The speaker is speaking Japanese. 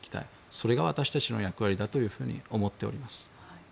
それが私たちの役割だと思っております。